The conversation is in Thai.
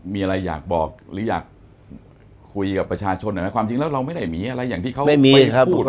มีอะไรอยากบอกหรืออยากคุยกับประชาชนหน่อยไหมความจริงแล้วเราไม่ได้มีอะไรอย่างที่เขาพูด